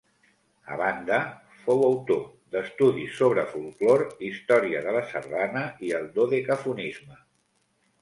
A banda, fou autor d'estudis sobre folklore, història de la sardana, i el dodecafonisme.